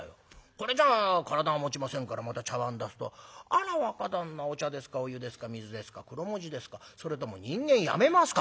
これじゃ体がもちませんからまた茶わん出すと『あら若旦那お茶ですかお湯ですか水ですかクロモジですかそれとも人間やめますか』